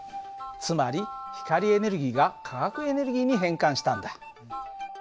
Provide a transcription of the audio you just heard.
つまり光エネルギーが化学エネルギーに変換したんだ。